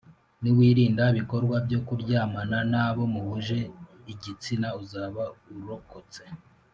niwirinda ibikorwa byo kuryamana n’abo muhuje igitsina uzaba urokotse